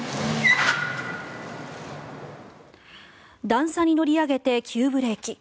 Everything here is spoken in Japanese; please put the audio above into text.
段差に乗り上げて、急ブレーキ。